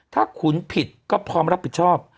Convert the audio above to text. ถ้าขุนผิดก็พร้อมรับผิดชอบ